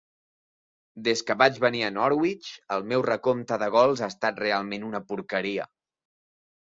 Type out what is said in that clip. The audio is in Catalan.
Des que vaig venir a Norwich, el meu recompte de gols ha estat realment una porqueria.